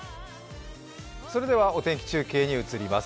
それではお天気中継に移ります。